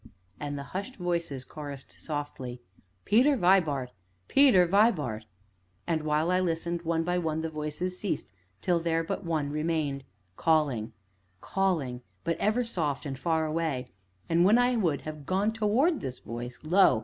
And the hushed voices chorused softly. "Peter Vibart Peter Vibart!" And, while I listened, one by one the voices ceased, till there but one remained calling, calling, but ever soft and far away, and when I would have gone toward this voice lo!